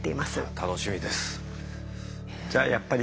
楽しみです。